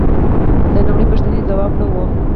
د لومړۍ پوښتنې ځواب نه و